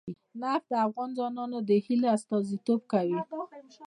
نفت د افغان ځوانانو د هیلو استازیتوب کوي.